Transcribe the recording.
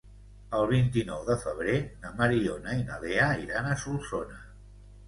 El vint-i-nou de febrer na Mariona i na Lea iran a Solsona.